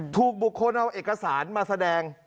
ถูกบุคคลเอาเอกสารมาแสดง